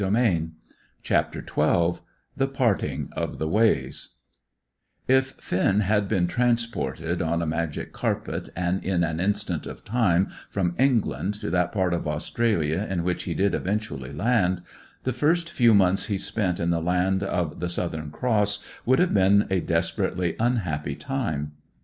CHAPTER XII THE PARTING OF THE WAYS If Finn had been transported on a magic carpet and in an instant of time, from England to that part of Australia in which he did eventually land, the first few months he spent in the land of the Southern Cross would have been a desperately unhappy time.